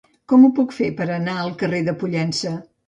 Com ho puc fer per anar al carrer de Pollença?